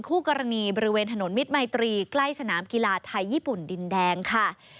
คู่กรณีบริเวณถนนมิตรมัยตรีใกล้สนามกีฬาไทยญี่ปุ่นดินแดงค่ะ